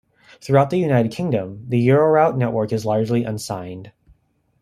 Throughout the United Kingdom, the Euroroute network is largely unsigned.